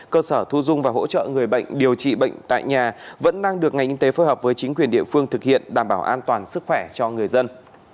cơ sở thu dung và hỗ trợ người bệnh điều trị bệnh tại nhà vẫn đang được ngành y tế phối hợp với chính quyền địa phương thực hiện đảm bảo an toàn sức khỏe cho người dân